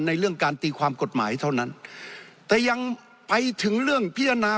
เรื่องการตีความกฎหมายเท่านั้นแต่ยังไปถึงเรื่องพิจารณา